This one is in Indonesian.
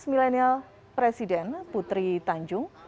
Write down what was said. milenial presiden putri tanjung